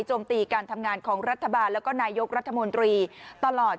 ตีการทำงานของรัฐบาลแล้วก็นายกรัฐมนตรีตลอด